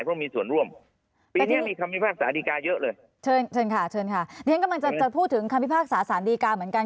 เดี๋ยวเรากำลังพูดถึงคำพิพากษาสารีการเหมือนกัน